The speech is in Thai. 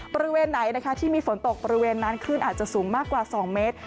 บริเวณไหนนะคะที่มีฝนตกบริเวณนั้นคลื่นอาจจะสูงมากกว่า๒เมตร